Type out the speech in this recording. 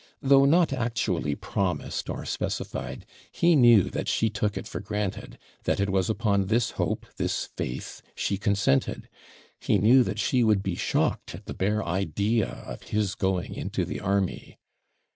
Though not actually promised or specified, he knew that she took it for granted; that it was upon this hope, this faith, she consented; he knew that she would be shocked at the bare idea of his going into the army.